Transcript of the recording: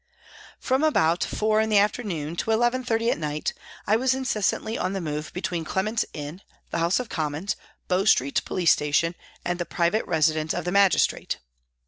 From about 4 in the afternoon to 11.30 at night I was incessantly on the move between Clement's Inn, the House of Commons, Bow Street Police Station and the private residence of the magistrate.